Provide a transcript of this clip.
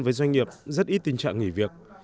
với doanh nghiệp rất ít tình trạng nghỉ việc